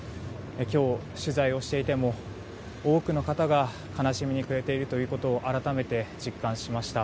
今日、取材をしていても多くの方が悲しみに暮れているということを改めて実感しました。